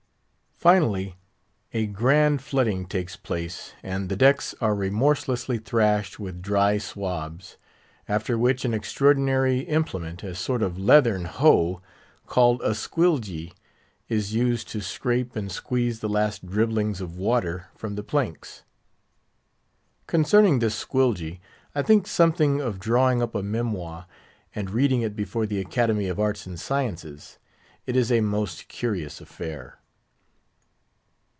Finally, a grand flooding takes place, and the decks are remorselessly thrashed with dry swabs. After which an extraordinary implement—a sort of leathern hoe called a "squilgee"—is used to scrape and squeeze the last dribblings of water from the planks. Concerning this "squilgee," I think something of drawing up a memoir, and reading it before the Academy of Arts and Sciences. It is a most curious affair.